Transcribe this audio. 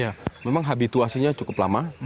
ya memang habituasinya cukup lama